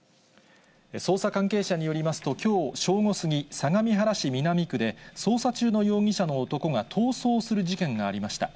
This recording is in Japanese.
捜査関係者によりますと、きょう正午過ぎ、相模原市南区で、捜査中の容疑者の男が逃走する事件がありました。